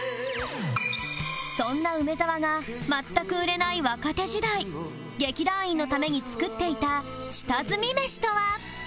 そんな梅沢が全く売れない若手時代劇団員のために作っていた下積みメシとは？